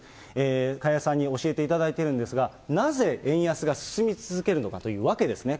加谷さんに教えていただいてるんですが、なぜ円安が進み続けるのかという訳ですね。